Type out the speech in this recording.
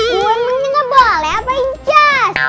gue emang nggak boleh apa incaz